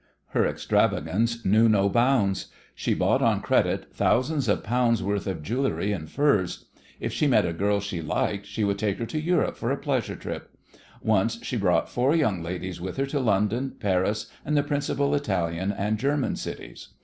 Her extravagance knew no bounds. She bought on credit thousands of pounds worth of jewellery and furs. If she met a girl she liked she would take her to Europe for a pleasure trip. Once she brought four young ladies with her to London, Paris, and the principal Italian and German cities.